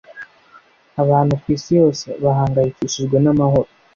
abantu kwisi yose bahangayikishijwe namahoro.